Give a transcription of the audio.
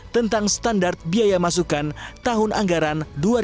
tentang standar biaya masukan tahun anggaran dua ribu dua puluh